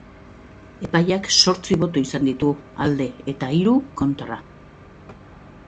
Epaiak zortzi boto izan ditu alde, eta hiru kontra.